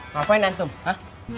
maafin antum ha